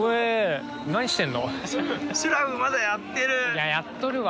いややっとるわ。